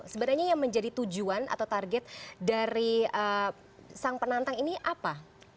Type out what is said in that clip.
sebenarnya yang menjadi tujuan atau target dari sang penantang ini apa